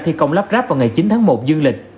thi công lắp ráp vào ngày chín tháng một dương lịch